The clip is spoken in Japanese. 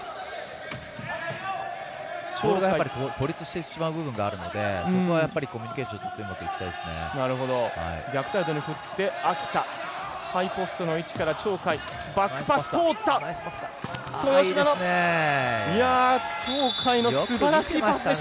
孤立してしまう部分があるのでそこは、コミュニケーションとっていきたいですね。